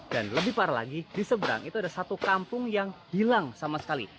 lebih parah lagi di seberang itu ada satu kampung yang hilang sama sekali